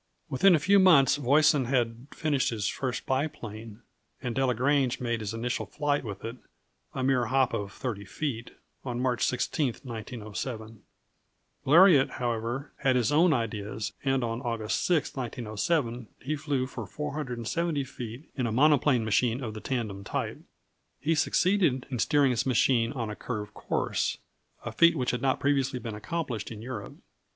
Within a few months Voisin had finished his first biplane, and Delagrange made his initial flight with it a mere hop of 30 feet on March 16, 1907. Bleriot, however, had his own ideas, and on August 6, 1907, he flew for 470 feet in a monoplane machine of the tandem type. He succeeded in steering his machine in a curved course, a feat which had not previously been accomplished in Europe.